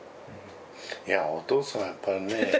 いやお父さんはやっぱりね。